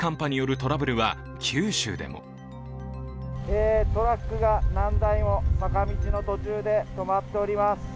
トラックが何台も坂道の途中で止まっております。